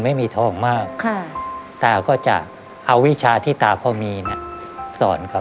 ไม่มีทองมากตาก็จะเอาวิชาที่ตาพ่อมีเนี่ยสอนเขา